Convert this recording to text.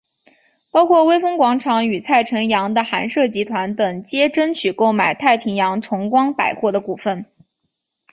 包括微风广场与蔡辰洋的寒舍集团等皆争取购买太平洋崇光百货的股份。